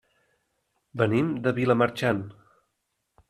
Venim de Vilamarxant.